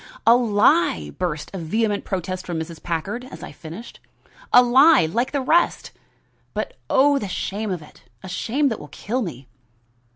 "A lie!" burst in vehement protest from Mrs. Packard, as I finished. "A lie like the rest! But oh, the shame of it! a shame that will kill me."